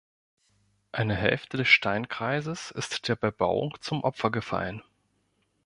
Eine Hälfte des Steinkreises ist der Bebauung zum Opfer gefallen.